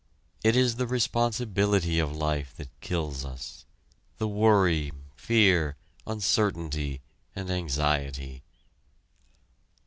It is the responsibility of life that kills us, the worry, fear, uncertainty, and anxiety.